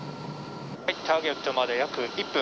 ターゲットまで約１分。